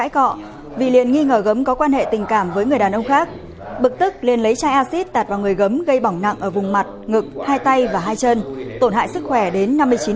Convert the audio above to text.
cọ vì liền nghi ngờ gấm có quan hệ tình cảm với người đàn ông khác bực tức liền lấy chai acid tạt vào người gấm gây bỏng nặng ở vùng mặt ngực hai tay và hai chân tổn hại sức khỏe đến năm mươi chín